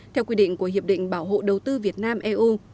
theo quy định của hiệp định bảo hộ đầu tư việt nam eu